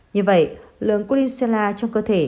như vậy lượng kulinshela trong cơ thể